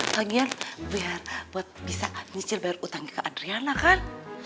lagian biar bisa nyicil bayar utangnya ke adriana kan